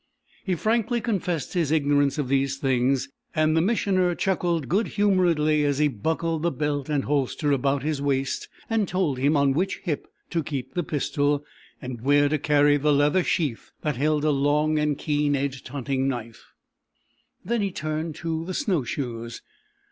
He frankly confessed his ignorance of these things, and the Missioner chuckled good humouredly as he buckled the belt and holster about his waist and told him on which hip to keep the pistol, and where to carry the leather sheath that held a long and keen edged hunting knife. Then he turned to the snow shoes.